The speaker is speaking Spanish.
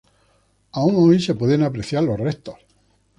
Aún hoy se pueden apreciar los restos.